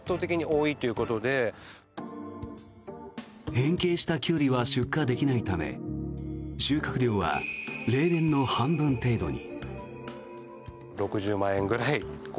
変形したキュウリは出荷できないため収穫量は例年の半分程度に。